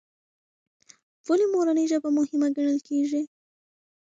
ولې مورنۍ ژبه مهمه ګڼل کېږي؟